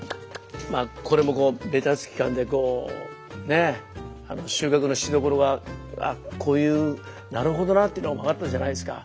まあこれもベタつき感でこうねえ収穫のしどころがあこういうなるほどなっていうのが分かったじゃないですか。